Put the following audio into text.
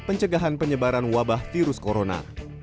pencegahan penyebaran wabah virus corona